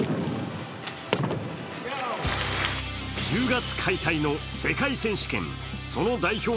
１０月開催の世界選手権その代表